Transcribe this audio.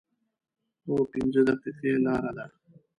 هو، پنځه دقیقې لاره ده